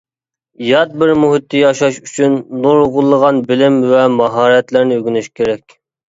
يات بىر مۇھىتتا ياشاش ئۈچۈن نۇرغۇنلىغان بىلىم ۋە ماھارەتلەرنى ئۆگىنىش كېرەك.